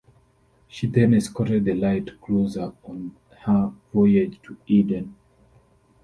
She then escorted the light cruiser on her voyage to Aden.